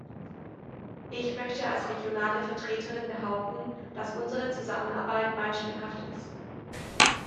Ich möchte als regionale Vertreterin behaupten, dass unsere Zusammenarbeit beispielhaft ist.